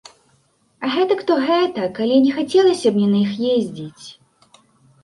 Гэтак то гэтак, але не хацелася б мне на іх ездзіць.